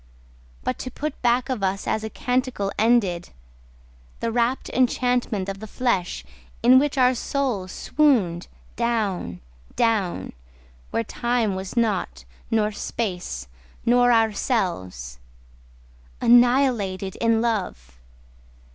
But to put back of us as a canticle ended The rapt enchantment of the flesh, In which our souls swooned, down, down, Where time was not, nor space, nor ourselves— Annihilated in love!